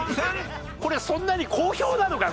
これそんなに好評なのか？